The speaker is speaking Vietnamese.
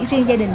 riêng gia đình